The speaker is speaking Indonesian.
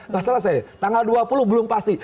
masalah saya tanggal dua puluh belum pasti